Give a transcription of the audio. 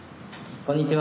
こんにちは！